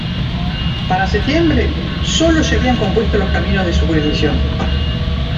Para septiembre, solo se habían compuesto los caminos de su jurisdicción.